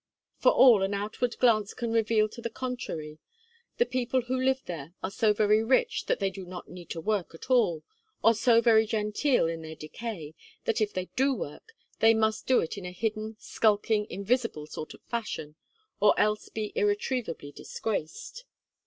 For all an outward glance can reveal to the contrary, the people who live there are so very rich that they do not need to work at all, or so very genteel in their decay, that if they do work, they must do it in a hidden, skulking, invisible sort of fashion, or else be irretrievably disgraced.